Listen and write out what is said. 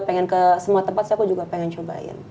pengen ke semua tempat sih aku juga pengen cobain